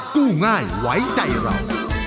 กู้ง่ายไว้ใจเรา